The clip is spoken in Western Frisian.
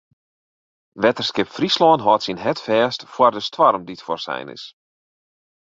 Wetterskip Fryslân hâldt syn hart fêst foar de stoarm dy't foarsein is.